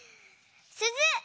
すず！